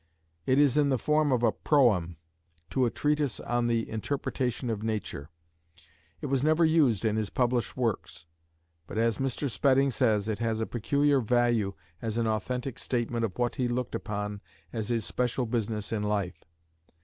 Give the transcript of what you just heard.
It is in the form of a "Proem" to a treatise on the Interpretation of Nature. It was never used in his published works; but, as Mr. Spedding says, it has a peculiar value as an authentic statement of what he looked upon as his special business in life.